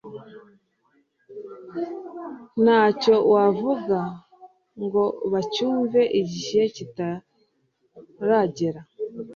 ntacyo wavuga ngo bacyumve igihe kitaragera.